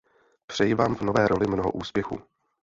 Přeji vám v nové roli mnoho úspěchů!